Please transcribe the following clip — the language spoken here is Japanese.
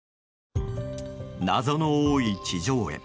謎の多い地上絵。